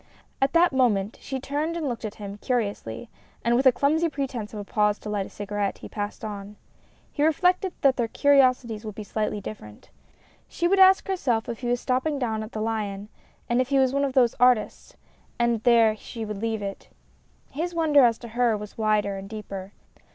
At that moment she turned and looked at him curiously, and with a clumsy pretence of a pause to light a cigarette, he passed on. He reflected that their curiosities would be very different. She would ask herself if he was stopping down at the " Lion," and if he was one of those artists, and there she would leave it. His wonder as to her was wider and deeper.